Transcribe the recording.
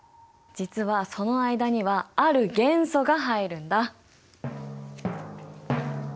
実はその間にはある元素が入るんだ。